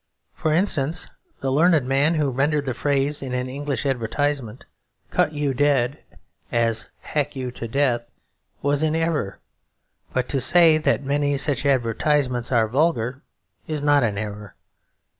For instance, the learned man who rendered the phrase in an English advertisement "cut you dead" as "hack you to death," was in error; but to say that many such advertisements are vulgar is not an error.